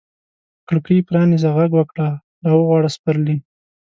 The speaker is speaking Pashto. کړکۍ پرانیزه، ږغ وکړه را وغواړه سپرلي